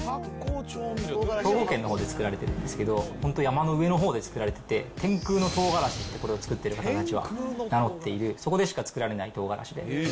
兵庫県のほうで作られているんですけど、本当、山の上のほうで作られてて、天空の唐辛子って、これを作ってる方たちは名乗っている、そこでしか作られない唐辛子です。